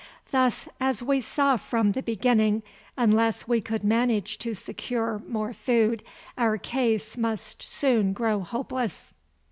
Thus, as we saw from the beginning, unless we could manage to secure more food our case must soon grow hopeless.